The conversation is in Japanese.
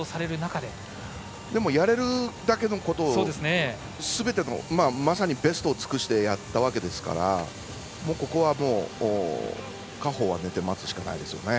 でも、やれるだけのことをまさにベストを尽くしてやったわけですからここはもう果報は寝て待つしかないですよね。